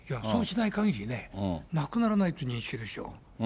そうしないかぎりね、なくならないという認識でしょう。